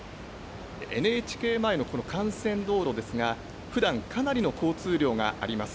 ＮＨＫ前のこの幹線道路ですが、ふだん、かなりの交通量があります。